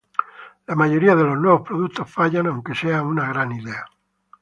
La mayoría de los nuevos productos fallan, aunque sea una gran idea.